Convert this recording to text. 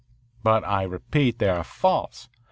"But I repeat. They are false.